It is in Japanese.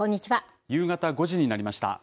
夕方５時になりました。